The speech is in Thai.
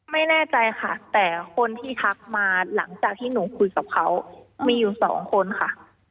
ไม่แน่ใจค่ะแต่คนที่ทักมาหลังจากที่หนูคุยกับเขามีอยู่สองคนค่ะ